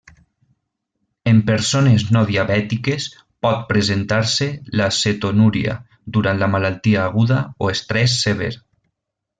En persones no diabètiques, pot presentar-se la cetonúria durant la malaltia aguda o estrès sever.